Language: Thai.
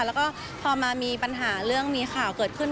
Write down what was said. แล้วก็พอมามีปัญหาเรื่องมีข่าวเกิดขึ้น